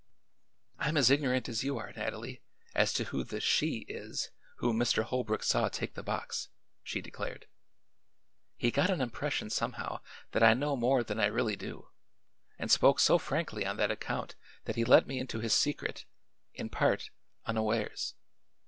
"I'm as ignorant as you are, Nathalie, as to who the 'she' is whom Mr. Holbrook saw take the box," she declared. "He got an impression, somehow, that I know more than I really do, and spoke so frankly on that account that he let me into his secret in part unawares.